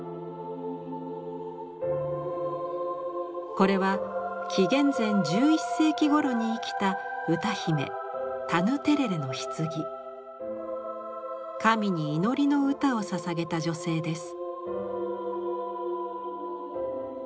これは紀元前１１世紀ごろに生きた歌姫神に祈りの歌をささげた女性です。